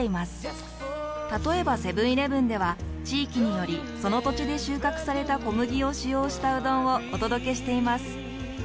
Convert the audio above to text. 例えばセブンーイレブンでは地域によりその土地で収穫された小麦を使用したうどんをお届けしています。